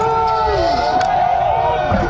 โอ้โห